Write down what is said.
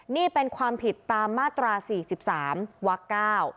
นี่เป็นความผิดตามมาตรา๔๓วัก๙